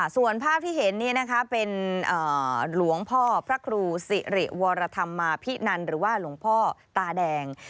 ส่วนภาพที่เห็นเป็นหลวงพ่อพระครูสิริวรธรรมาพินันหรือว่าหลวงพ่อตาแดง